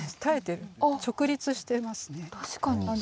直立してますね。